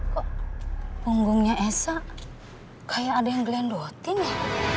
kok punggungnya esa kayak ada yang gelendotin ya